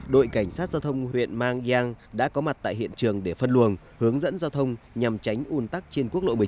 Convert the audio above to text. đội cảnh sát giao thông huyện mang giang đã có mặt tại hiện trường để phân luồng hướng dẫn giao thông nhằm tránh un tắc trên quốc lộ một mươi chín